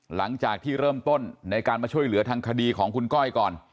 หลังจากที่เริ่มต้นในการมาช่วยเหลือทางคดีของคุณก้อยก่อน